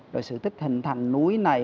rồi sự tích hình thành núi này